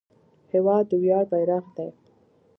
هېواد د ویاړ بیرغ دی.